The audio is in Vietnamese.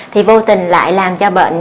thì vô tình lại làm cho bệnh